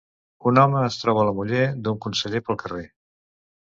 Un home es troba la muller d'un conseller pel carrer.